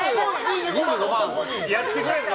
やってくれるの？